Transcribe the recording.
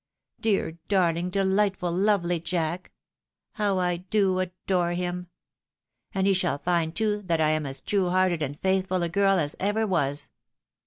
Deair, darling, delightful, lovely Jack ! How I do adore him I And he shall find, too, that I am as true hearted and faithftd a girl as ever was.